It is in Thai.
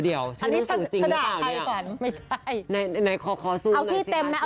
เดี๋ยวชื่อนังสือจริงรึเปล่า